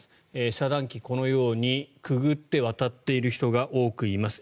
遮断機、このようにくぐって渡っている人が多くいます。